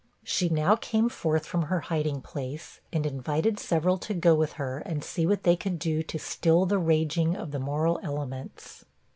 She now came forth from her hiding place, and invited several to go with her and see what they could do to still the raging of the moral elements.